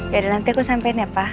yaudah nanti aku sampein ya pak